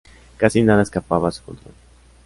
Casi nada escapaba a su control.